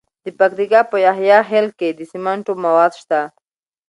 د پکتیکا په یحیی خیل کې د سمنټو مواد شته.